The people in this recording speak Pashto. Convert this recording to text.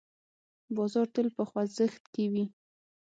بازار تل په خوځښت کې وي.